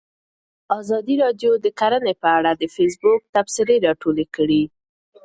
ازادي راډیو د کرهنه په اړه د فیسبوک تبصرې راټولې کړي.